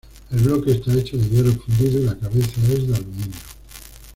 El bloque está hecho de hierro fundido y la cabeza es de aluminio.